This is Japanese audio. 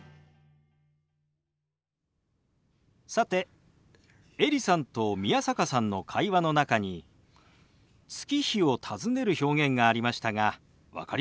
さてエリさんと宮坂さんの会話の中に月日を尋ねる表現がありましたが分かりましたか？